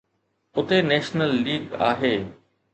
اتي national league آهي.